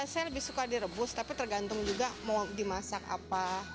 saya lebih suka direbus tapi tergantung juga mau dimasak apa